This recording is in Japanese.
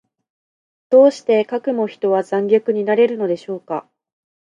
どうしてかくも人は残虐になれるのでしょうか。